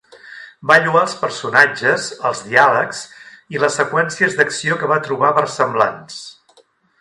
Va lloar els personatges, els diàlegs i les seqüències d'acció que va trobar versemblants.